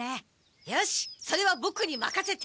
よしそれはボクにまかせて！